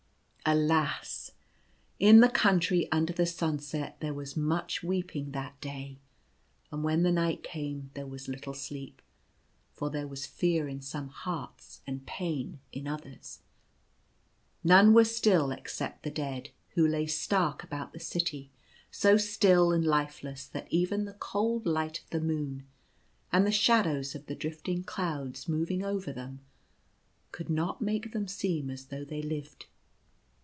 Alas ! in the Country Under the Sunset there was much weeping that day ; and when the night came there was little sleep, for there was fear in some hearts and pain in others. None were still except the dead, who lay stark about the city, so still and lifeless that even the cold light of the moon and the shadows of the drifting clouds moving over them could not make them seem as though they lived.